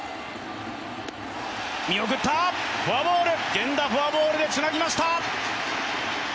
源田、フォアボールでつなぎました。